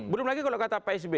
belum lagi kalau kata psb